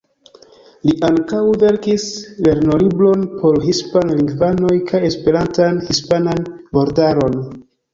Li ankaŭ verkis lernolibron por hispan-lingvanoj kaj Esperantan-hispanan vortaron.